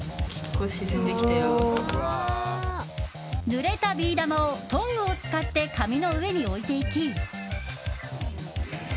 ぬれたビー玉をトングを使って紙の上に置いていき。